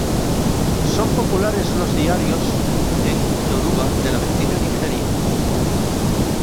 Son populares los diarios en yoruba de la vecina Nigeria.